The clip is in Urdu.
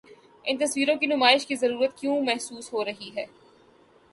ان تصویروں کی نمائش کی ضرورت کیوں محسوس ہو رہی ہے؟